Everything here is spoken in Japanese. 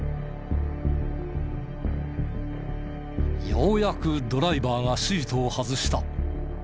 ようやくドライバーがシートを外した。